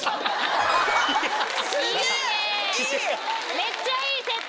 めっちゃいい設定。